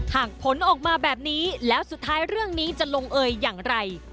ผลออกมาแบบนี้แล้วสุดท้ายเรื่องนี้จะลงเอยอย่างไร